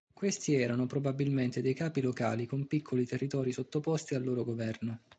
Questi erano probabilmente dei capi locali con piccoli territori sottoposti al loro governo.